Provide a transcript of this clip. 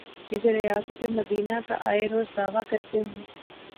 یہ جو ریاست مدینہ کا آئے روز دعوی کرتے ہیں۔